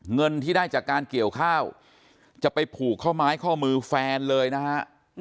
เงินที่ได้จากการเกี่ยวข้าวจะไปผูกข้อไม้ข้อมือแฟนเลยนะฮะ